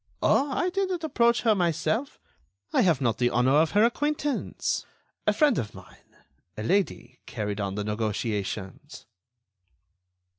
"Oh! I didn't approach her myself. I have not the honor of her acquaintance. A friend of mine, a lady, carried on the negotiations."